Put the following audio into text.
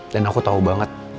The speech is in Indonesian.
dan aku tau banget